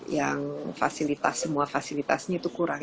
yang fasilitas semua fasilitasnya itu kurang